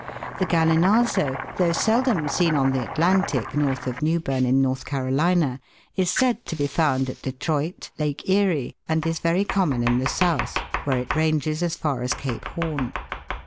The Gallinazo, though seldom seen on the Atlantic, north of Newbern, in North Carolina, is said to be found at Detroit, Lake Erie, and is very common in the south, where it ranges as far as Cape Horn.